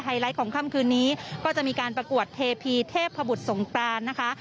ไลท์ของค่ำคืนนี้ก็จะมีการประกวดเทพีเทพบุตรสงกรานนะคะ